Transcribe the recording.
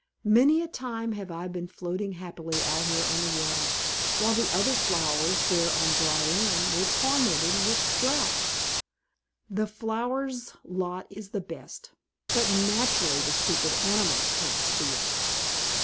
Many a time have I been floating happily out here on the water, while the other flowers there on dry land were tormented with drought. The flowers' lot is the best; but naturally the stupid animals can't see it."